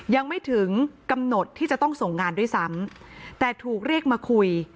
ยังไม่ถึงกำหนดที่จะต้องส่งงานด้วยซ้ำแต่ถูกเรียกมาคุย